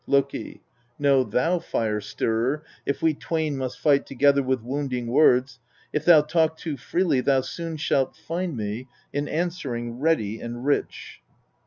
Loki. 5. Know thou, Fire stirrer, if we twain must fight together with wounding words, if thou talk too freely thou soon shalt find me in answering ready and rich.